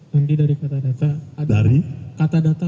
nanti dari katadata